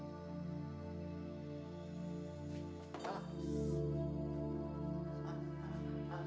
kamu orang semi sithal